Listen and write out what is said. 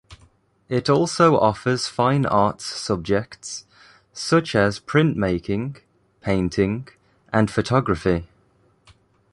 It also offers fine arts subjects, such as printmaking, painting, and photography.